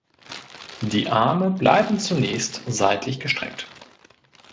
Die Arme bleiben zunächst seitlich gestreckt.